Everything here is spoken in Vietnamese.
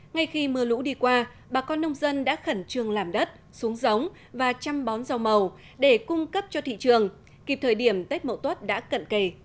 ngay khi mưa lũ đi qua bà con nông dân đã khẩn trương làm đất xuống giống và chăm bón rau màu để cung cấp cho thị trường kịp thời điểm tết mậu tuất đã cận kề